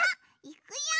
いくよ。